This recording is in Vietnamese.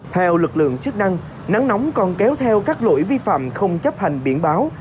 theo lực lượng chức năng nắng nóng còn kéo theo các lỗi vi phạm không chấp hành biển báo